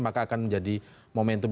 maka akan menjadi momentum